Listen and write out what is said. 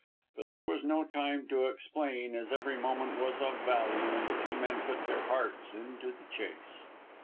But there was no time to explain as every moment was of value, and the two men put their hearts into the chase.